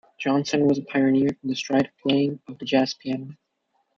Johnson was a pioneer in the stride playing of the jazz piano.